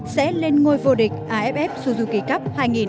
sẽ lên ngôi vô địch aff suzuki cup hai nghìn một mươi tám